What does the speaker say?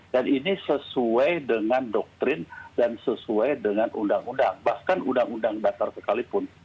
dan ini sesuai dengan doktrin dan sesuai dengan undang undang bahkan undang undang datar sekalipun